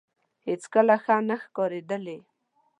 ته هیڅکله ښه نه ښکارېدلې